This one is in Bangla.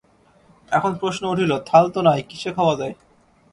এখন প্রশ্ন উঠিল, থাল তো নাই, কিসে খাওয়া যায়?